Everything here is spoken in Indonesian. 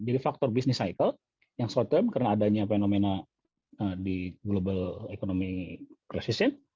jadi faktor business cycle yang short term karena adanya fenomena di global economy precision